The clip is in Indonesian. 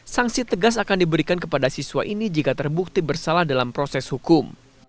sanksi tegas akan diberikan kepada siswa ini jika terbukti bersalah dalam proses hukum